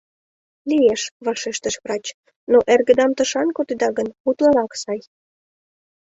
— Лиеш, — вашештыш врач, — но эргыдам тышан кодеда гын, утларак сай.